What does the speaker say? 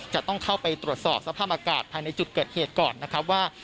จะต้องเข้าไปตรวจสอบสภาพอากาศภายในจุดเกิดเหตุก่อนนะครับว่า